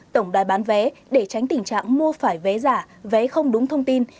tổng đài bán vé để tránh tình trạng mua phải vé giả vé không đúng thông tin